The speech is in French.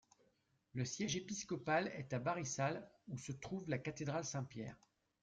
Le siège épiscopal est à Barisal, où se trouve la cathédrale Saint-Pierre.